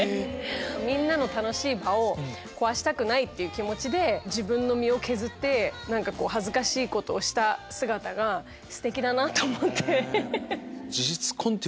みんなの楽しい場を壊したくないっていう気持ちで自分の身を削って恥ずかしいことをした姿がステキだなと思って。